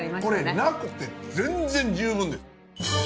これなくて全然十分です。